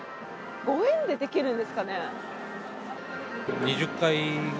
５円でできるんですかね。